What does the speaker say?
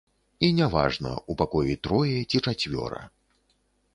І няважна, у пакоі трое ці чацвёра.